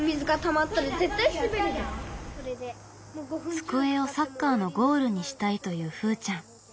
机をサッカーのゴールにしたいというふーちゃん。